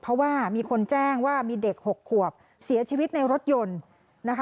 เพราะว่ามีคนแจ้งว่ามีเด็ก๖ขวบเสียชีวิตในรถยนต์นะคะ